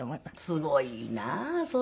すごいなそれ。